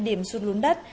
điểm sụt lún đất